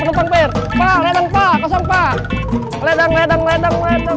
kasampak kasampak ledang ledang ledang ledang ledang ledang